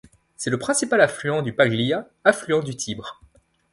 C'est le principal affluent du Paglia, affluent du Tibre.